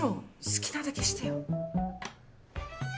好きなだけしてよ。